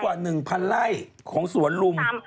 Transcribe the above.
เพราะฉะนั้นพื้นที่กว่า๑๐๐๐ไร่ของสวนรุม